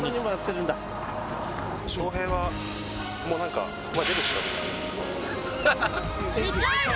翔平はもうなんか「お前出るっしょ？」みたいな。